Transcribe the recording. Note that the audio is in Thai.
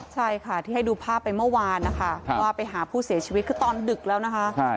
ใช่ค่ะที่ให้ดูภาพไปเมื่อวานนะคะว่าไปหาผู้เสียชีวิตคือตอนดึกแล้วนะคะ